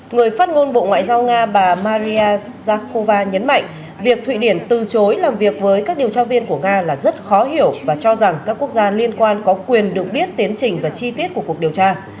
người phát ngôn bộ ngoại giao nga bà maria zakova nhấn mạnh việc thụy điển từ chối làm việc với các điều tra viên của nga là rất khó hiểu và cho rằng các quốc gia liên quan có quyền được biết tiến trình và chi tiết của cuộc điều tra